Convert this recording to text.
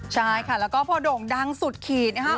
ใช่ค่ะแล้วก็พอโด่งดังสุดขีดนะครับ